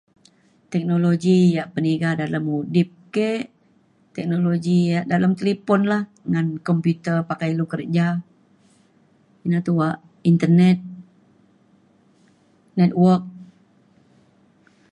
teknologi yak peniga dalem mudip ke teknologi yak dalem talipon lah ngan komputer pakai ilu kerja. na tuak internet network.